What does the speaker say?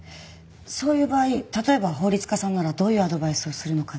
そういう場合例えば法律家さんならどういうアドバイスをするのかなと。